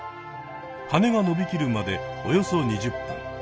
はねがのびきるまでおよそ２０分。